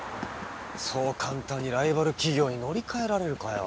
そう簡単にライバル企業に乗り換えられるかよ。